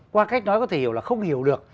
qua cách nói có thể hiểu là không hiểu được